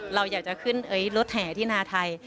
เราอยากจะขึ้นรถแห่ที่นาไทย